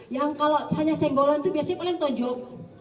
yang kalau hanya senggolan itu biasanya paling tonjok